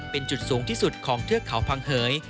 เป็นจุดสูงที่สุดของเทือกเขาพังเหย